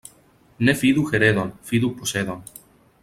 Ne fidu heredon, fidu posedon.